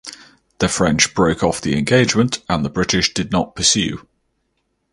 The French broke off the engagement and the British did not pursue.